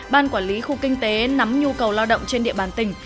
ban quản lý khu kinh tế nắm nhu cầu lao động trên địa bàn tỉnh